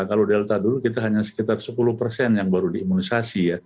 kalau delta dulu kita hanya sekitar sepuluh persen yang baru diimunisasi ya